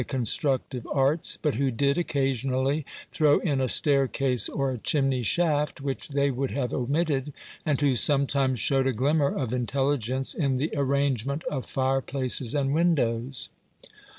constructive arts, but who did occasionally throw in a staircase or a chimney shaft which they would have omitted, and who sometimes showed a glimmer of intelligence in the arrangement of fireplaces and windows.